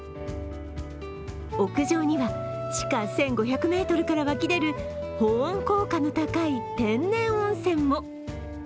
屋上には地下１５００ｍから湧き出る保温効果の高い天然温泉も。